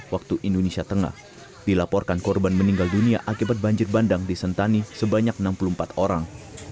waktu indonesia tengah dilaporkan korban meninggal dunia akibat banjir bandang di sentani sebanyak enam puluh empat orang